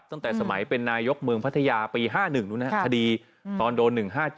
ตั้งแต่สมัยเป็นนายกเมืองพัทยาปี๕๑คดีตอนโดน๑๕๗